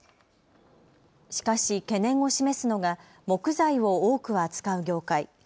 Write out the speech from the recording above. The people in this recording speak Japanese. しかし懸念を示すのが木材を多く扱う業界。